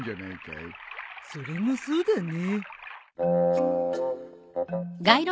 それもそうだね。